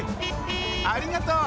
ありがとう！